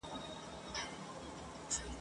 معلم وویل که چیري داسي وسي `